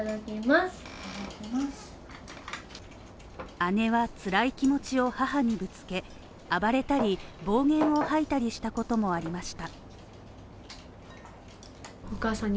姉はつらい気持ちを母にぶつけ、暴れたり暴言を吐いたりしたこともありました。